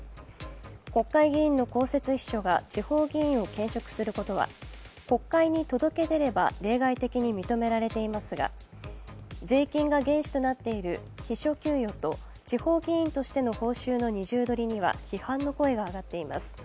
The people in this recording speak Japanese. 国会議員の公設秘書が地方議員を兼職することは国会に届け出れば例外的に認められていますが、税金が原資となっている秘書給与と地方議員としての報酬の二重取りには批判の声が上がっています。